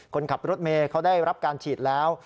คนขับรถเมย์เขาได้รับการฉีดแล้ว